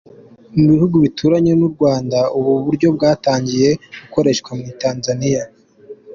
Mu bihugu bituranye n’u Rwanda ubu buryo bwatangiye gukoreshwa muri Tanzaniya.